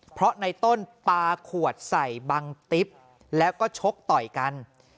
เพราะในต้นปลาขวดใส่บังติ๊บแล้วก็ชกต่อยกัน